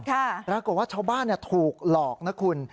ปรากฏว่าชาวบ้านถูกหลอกนะคุณ